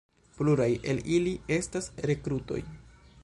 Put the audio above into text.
Pluraj el ili estas rekrutoj.